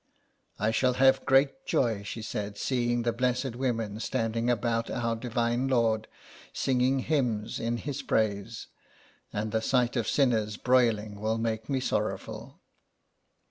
" I shall have great joy," she said, '' seeing the blessed women standing about Our Divine Lord, singing hymns in his praise, and the sight of sinners broiling will make me be sorrowful.''